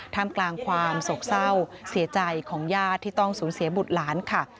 ทำกลางความโศกเศร้าเสียใจของญาติที่ต้องสูญเสียบุตรหลานค่ะ